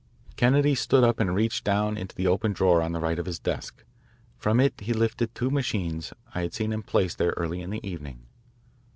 Kennedy stood up and reached down into the open drawer on the right of his desk. From it he lifted the two machines I had seen him place there early in the evening.